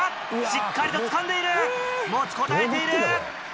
しっかりとつかんでいる持ちこたえている！